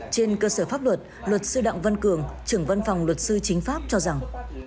trên cơ sở pháp luật luật sư đặng văn cường trưởng văn phòng luật sư chính pháp cho rằng